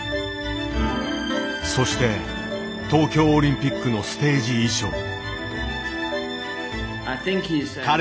そして東京オリンピックのステージ衣装。